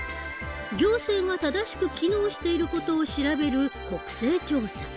行政が正しく機能している事を調べる国政調査。